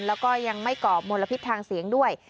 แล้วก็ยังไม่ก่อมลพิษทางเสียงด้วย